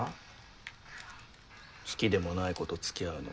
好きでもない子とつきあうの。